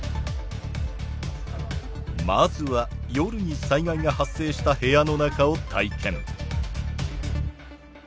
まずは夜に災害が発生した部屋の中を体験！